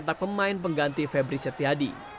setelah pencetak pemain pengganti ferry setiadi